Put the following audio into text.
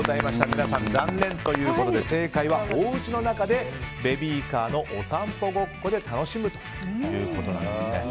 皆さん残念ということで正解は、おうちの中でベビーカーのお散歩ごっこで楽しむということなんですね。